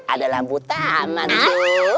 ada lampu taman tuh